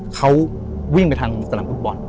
เขาวิ่งไปทางสนามฟุตบอล